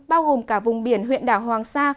bao gồm cả vùng biển huyện đảo hoàng sa